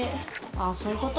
ああ、そういうこと？